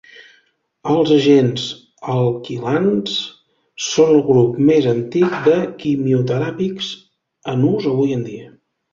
Els agents alquilants són el grup més antic de quimioteràpics en ús avui en dia.